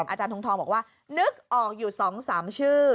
อาจารย์ทรงทองบอกว่านึกออกอยู่๒๓ชื่อ